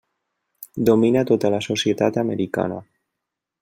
Domina tota la societat americana.